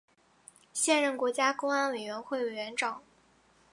现任国家公安委员会委员长。